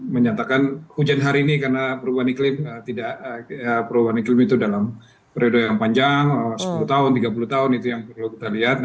menyatakan hujan hari ini karena perubahan iklim itu dalam periode yang panjang sepuluh tahun tiga puluh tahun itu yang perlu kita lihat